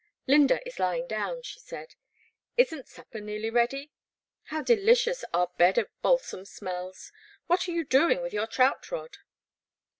" I^ynda is lying down/' she said, is n't sup per nearly ready ? How delicious our bed of bal sam smells; what are you doing with your trout rod?